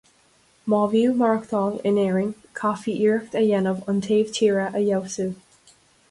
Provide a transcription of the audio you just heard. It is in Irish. Má bhfiú maireachtáil in Éirinn, chaithfí iarracht a dhéanamh an taobh tíre a fheabhsú.